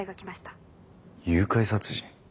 誘拐殺人？